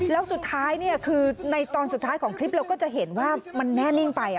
แล้วสุดท้ายคือในตอนสุดท้ายของคลิปเราก็จะเห็นว่ามันแน่นิ่งไป